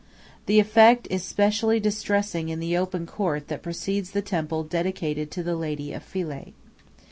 The effect is specially distressing in the open court that precedes the temple dedicated to the Lady of Philae.